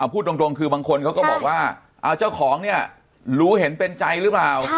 พูดตรงคือบางคนเขาก็บอกว่าเจ้าของเนี่ยรู้เห็นเป็นใจหรือเปล่า